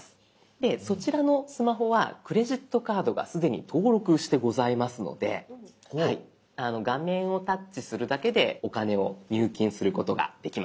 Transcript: でそちらのスマホはクレジットカードが既に登録してございますので画面をタッチするだけでお金を入金することができます。